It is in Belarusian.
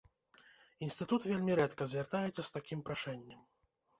Інстытут вельмі рэдка звяртаецца з такім прашэннем.